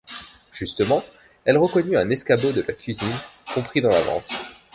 Justement, elle reconnut un escabeau de la cuisine, compris dans la vente.